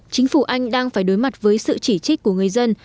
chính phủ anh đang phải đối mặt với sự chỉ trích của người dân